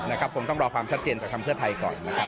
คงต้องรอความชัดเจนจากทางเพื่อไทยก่อนนะครับ